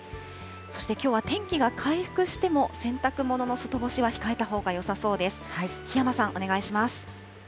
そしてきょうは天気が回復しても、洗濯物の外干しは控えたほうがよさそうです。